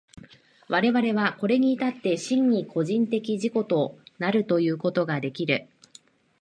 我々はこれに至って真に個人的自己となるということができる。